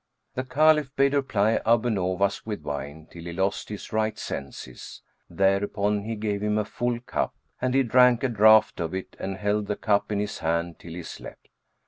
The Caliph bade her ply Abu Nowas with wine, till he lost his right senses, thereupon he gave him a full cup, and he drank a draught of it and held the cup in his hand till he slept.